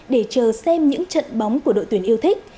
để chờ xem những trận bóng của đội tuyển yêu thích